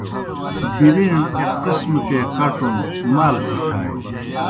بِریݨ ایْک قسم کے کَڇُن، مال سہ کھانیْ۔